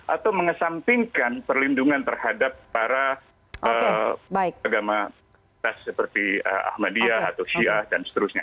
atau mengesampingkan perlindungan terhadap para agama seperti ahmadiyah atau syiah dan seterusnya